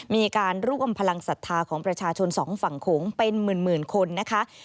มีการร่วมพลังศรัทธาของประชาชนสองฝั่งโขงเป็นหมื่นคนนะคะ